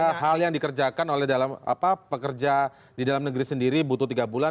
ada hal yang dikerjakan oleh pekerja di dalam negeri sendiri butuh tiga bulan